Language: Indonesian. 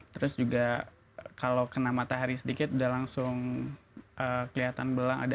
terus juga kalau kena matahari sedikit udah langsung kelihatan belang